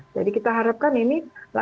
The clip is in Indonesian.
jadi kita harapkan ini